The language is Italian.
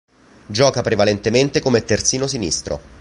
Gioca prevalentemente come terzino sinistro.